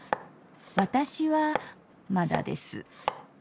私はまだです。